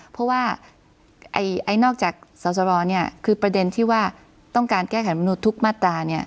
เพราะว่านอกจากสอสรคือประเด็นที่ว่าต้องการแก้ไขมนุษย์ทุกมาตรา